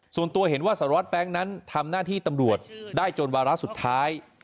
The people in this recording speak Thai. ส่วนตัวเห็นว่าสารวัตรแบงค์นั้นทำหน้าที่ตำรวจได้จนวาระสุดท้าย